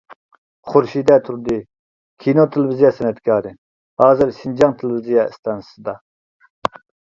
خۇرشىدە تۇردى: كىنو-تېلېۋىزىيە سەنئەتكارى، ھازىر شىنجاڭ تېلېۋىزىيە ئىستانسىسىدا.